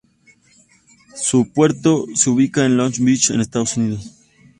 Su puerto se ubica en Long Beach en los Estados Unidos.